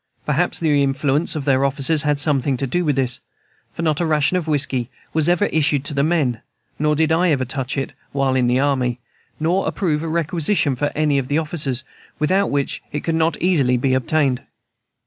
Perhaps the influence of their officers had something to do with this; for not a ration of whiskey was ever issued to the men, nor did I ever touch it, while in the army, nor approve a requisition for any of the officers, without which it could not easily be obtained.